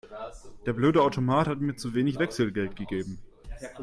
Der blöde Automat hat mir zu wenig Wechselgeld gegeben.